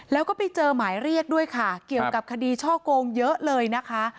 แล้วก็ไปเจอหมายเรียกด้วยค่ะเกี่ยวกับคดีช่อโกงเยอะเลยนะคะ